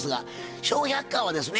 「笑百科」はですね